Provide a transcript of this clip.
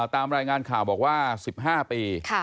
ตามรายงานข่าวบอกว่า๑๕ปี